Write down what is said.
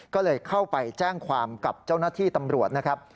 ก็เลยเข้าไปแจ้งความกับเจ้าหน้าที่ตำรวจนะครับ